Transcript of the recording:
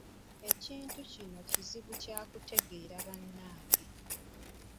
Ekintu kino kizibu kya kutegeera bannange.